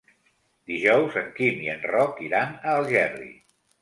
Dijous en Quim i en Roc iran a Algerri.